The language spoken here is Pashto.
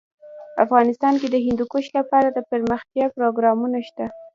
افغانستان کې د هندوکش لپاره دپرمختیا پروګرامونه شته.